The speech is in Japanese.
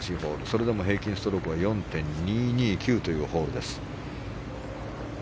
それでも平均ストロークは４．２２９というホールです。